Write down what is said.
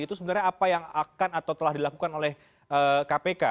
itu sebenarnya apa yang akan atau telah dilakukan oleh kpk